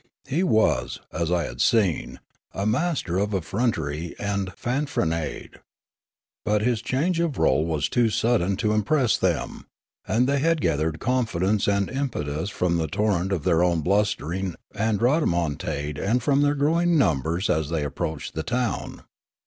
He was, as I had seen, a master of effrontery and fanfaron ade. But his change of role was too sudden to im press them ; and they had gathered confidence and impetus from the torrent of their own blustering and rhodomontade and from their growing numbers as they approached the town.